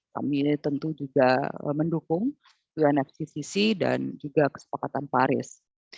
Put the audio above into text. kami ini tentu juga mendukung unfccc dan juga kesepakatan paris